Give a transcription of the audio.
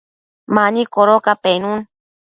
mani codoca penun